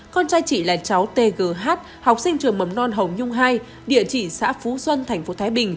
con trai chị là cháu tgh học sinh trường mầm non hồng nhung hai địa chỉ xã phú xuân tp thái bình